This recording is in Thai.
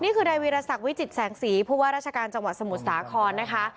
นี่คือนายวิรสักวิจิตแสงสีผู้ว่าราชการจังหวัดสมุทรสาครนะคะ